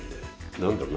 何だろうな。